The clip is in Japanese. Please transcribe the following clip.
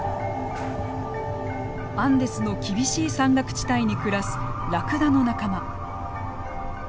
アンデスの厳しい山岳地帯に暮らすラクダの仲間。